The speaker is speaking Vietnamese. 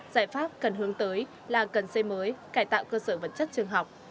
giải pháp cần hướng tới là cần xây mới cải tạo cơ sở vật chất trường học